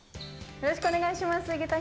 よろしくお願いします。